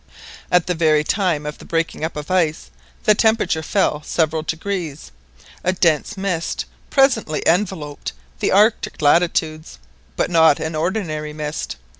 At the very time of the breaking up of the ice, the temperature fell several degrees. A dense mist presently enveloped the Arctic latitudes, but not an ordinary mist.